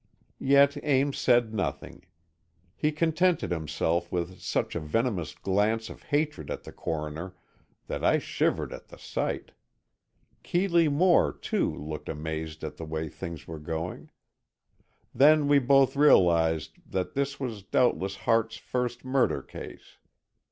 Yet Ames said nothing. He contented himself with such a venomous glance of hatred at the Coroner, that I shivered at the sight. Keeley Moore, too, looked amazed at the way things were going. Then we both realized that this was doubtless Hart's first murder case.